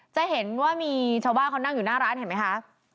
จะเห็นว่ามีชาวบ้านเขานั่งอยู่หน้าร้านเห็นไหมคะ